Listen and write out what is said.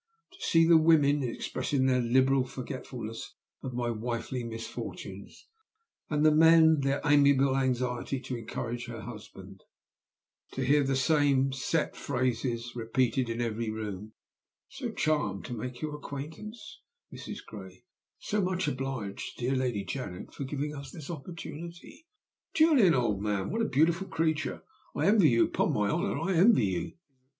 To see the women expressing their liberal forgetfulness of my wifely misfortunes, and the men their amiable anxiety to encourage her husband; to hear the same set phrases repeated in every room 'So charmed to make your acquaintance, Mrs. Gray; so much obliged to dear Lady Janet for giving us this opportunity! Julian, old man, what a beautiful creature! I envy you; upon my honor, I envy you!